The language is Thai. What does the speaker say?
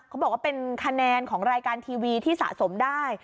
เขาบอกว่าเป็นคะแนนของรายการทีวีที่สะสมได้